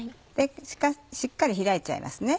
しっかり開いちゃいますね。